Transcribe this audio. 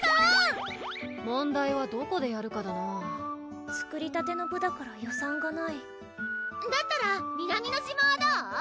問題はどこでやるかだな作りたての部だから予算がないだったら南乃島はどう？